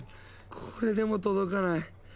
これでも届かない。